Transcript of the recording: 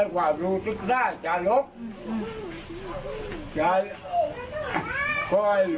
ให้ความรู้สุดท้ายจะรบ